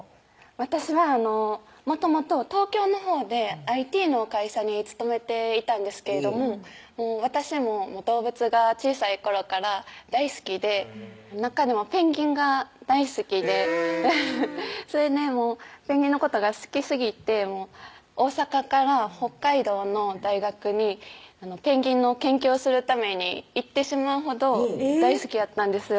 私はもともと東京のほうでＩＴの会社に勤めていたんですけれども私も動物が小さい頃から大好きで中でもペンギンが大好きでへぇそれでペンギンのことが好きすぎて大阪から北海道の大学にペンギンの研究をするために行ってしまうほど大好きやったんですよ